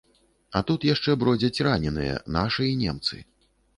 А тут яшчэ бродзяць раненыя, нашы і немцы.